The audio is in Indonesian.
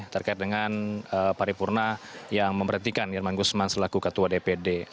terkait dengan paripurna yang memperhatikan irman gusman selaku ketua dpd